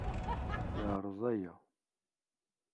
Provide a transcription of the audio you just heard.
Yeɛreḍ aya.